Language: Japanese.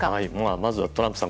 まずはトランプさん